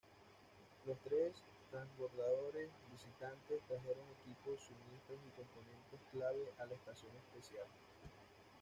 Los tres transbordadores visitantes trajeron equipos, suministros y componentes clave a la estación espacial.